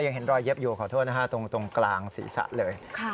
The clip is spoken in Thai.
ยังเห็นรอยเย็บอยู่ขอโทษนะฮะตรงกลางศีรษะเลย